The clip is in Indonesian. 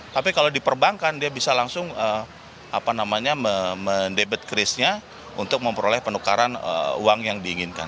tapi kalau di perbankan dia bisa langsung mendebet krisnya untuk memperoleh penukaran uang yang diinginkan